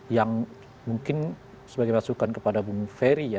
yang mungkin sebagai masukan kepada bung ferry ya